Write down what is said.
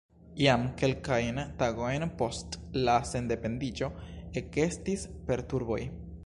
Jam kelkajn tagojn post la sendependiĝo ekestis perturboj.